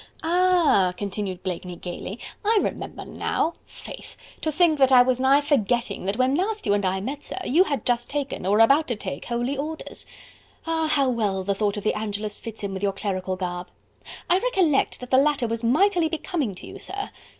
"Ah!" continued Blakeney gaily, "I remember now.... Faith! to think that I was nigh forgetting that when last you and I met, sir, you had just taken or were about to take Holy Orders.... Ah! how well the thought of the Angelus fits in with your clerical garb.... I recollect that the latter was mightily becoming to you, sir..."